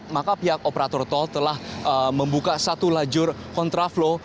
maka pihak operator tol telah membuka satu lajur kontraflow